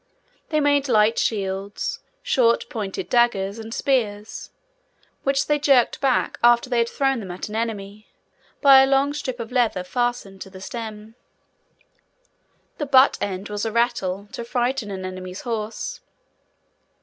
They made light shields, short pointed daggers, and spears—which they jerked back after they had thrown them at an enemy, by a long strip of leather fastened to the stem. The butt end was a rattle, to frighten an enemy's horse.